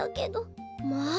まあ！